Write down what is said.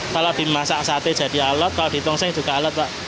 kalau dimasak sate jadi alat kalau di tongseng juga alat pak